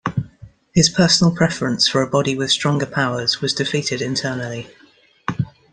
His personal preference for a body with stronger powers was defeated internally.